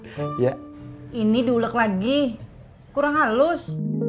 ini diulek lagi kurang halus